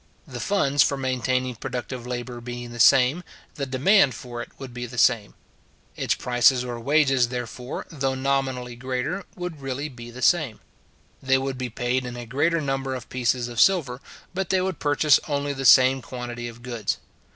The funds for maintaining productive labour being the same, the demand for it would be the same. Its price or wages, therefore, though nominally greater, would really be the same. They would be paid in a greater number of pieces of silver, but they would purchase only the same quantity of goods.